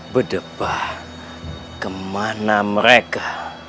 berdepah kemana mereka